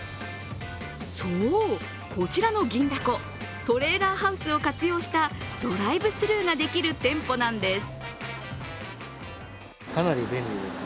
そう、こちらの銀だこ、トレーラーハウスを活用したドライブスルーができる店舗なんです。